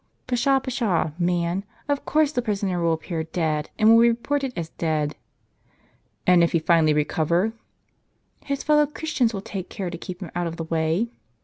" Pshaw ! pshaw ! man ; of course the prisoner will appear dead, and will be reported as dead." " And if he finally recover ?"" His fellow Christians will take care to keep him out of the w^ay."